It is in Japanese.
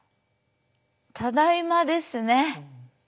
ただいまですね。